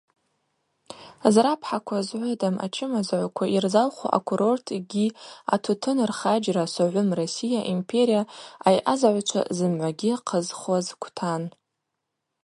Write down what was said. Зрапхӏаква згӏвадам ачымазагӏвква йырзалху акурорт йгьи атутынрхарджьра Согъвым Россия империя айъазагӏвчва зымгӏвагьи хъызхуаз квтан.